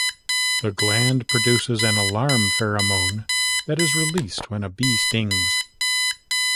The gland produces an alarm pheromone that is released when a bee stings.